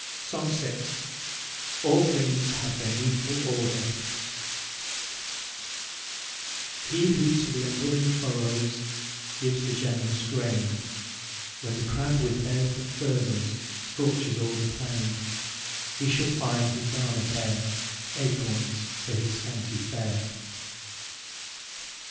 SONG VI. ALL THINGS HAVE THEIR NEEDFUL ORDER He who to th' unwilling furrows Gives the generous grain, When the Crab with baleful fervours Scorches all the plain; He shall find his garner bare, Acorns for his scanty fare.